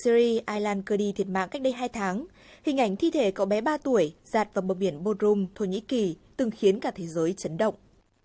siri aylan kadi thiệt mạng cách đây hai tháng hình ảnh thi thể cậu bé ba tuổi giặt vào bờ biển bodrum thổ nhĩ kỳ từng khiến cả thế giới chấn động